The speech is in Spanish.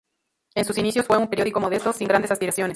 En sus inicios, fue un periódico modesto, sin grandes aspiraciones.